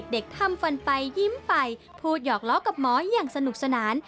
ทำฟันไปยิ้มไปพูดหยอกล้อกับหมออย่างสนุกสนาน